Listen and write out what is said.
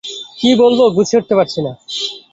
কী বলবি গুছিয়ে উঠতে পারছি না।